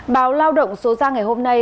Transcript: báo lao động số ra ngày hôm nay